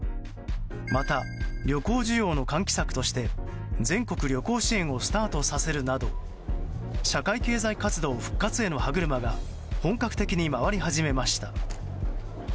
また、旅行需要の喚起策として全国旅行支援をスタートさせるなど社会経済活動復活への歯車が本格的に回り始めました。